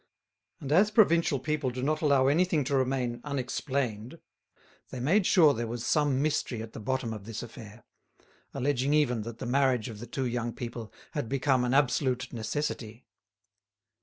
And, as provincial people do not allow anything to remain unexplained, they made sure there was some mystery at the bottom of this affair, alleging even that the marriage of the two young people had become an absolute necessity.